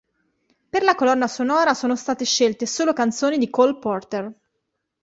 Per la colonna sonora sono state scelte solo canzoni di Cole Porter.